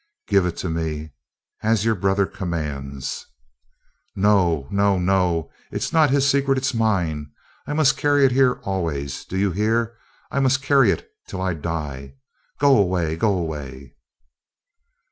"Give it to me, as your brother commands." "No, no, no! It is not his secret; it is mine. I must carry it here always, do you hear? I must carry it till I die. Go away! Go away!"